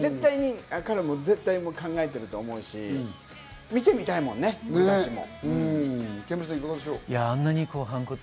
絶対、彼も考えていると思うし、見てみたいもんね、俺たちも。